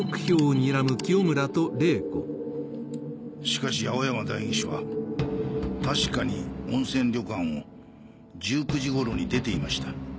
しかし青山代議士は確かに温泉旅館を１９時ごろに出ていました。